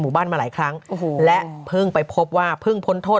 บ้านมาหลายครั้งโอ้โหและเพิ่งไปพบว่าเพิ่งพ้นโทษ